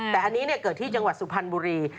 แต่อันนี้เนี่ยเกิดของจังหวัดสุพันธ์บุรี